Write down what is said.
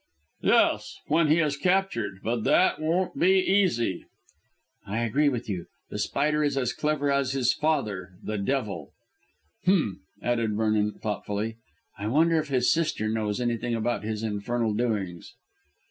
"Yes, when he is captured; but that won't be easy." "I agree with you. The Spider is as clever as his father the devil. Humph!" added Vernon thoughtfully, "I wonder if his sister knows anything about his infernal doings."